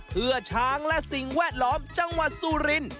เพื่อช้างและสิ่งแวดล้อมจังหวัดสุรินทร์